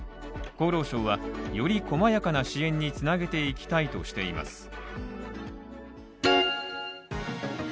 厚労省はより細やかな支援につなげていきたいとしています。